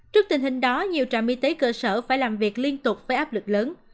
trước tình hình đó nhiều trạm y tế cơ sở phải làm việc liên tục với áp lực lớn